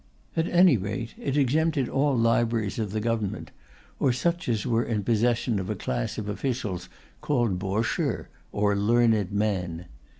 At any rate, it exempted all libraries of the government, or such as were in possession of a class of officials called Po Szu or Learned Men.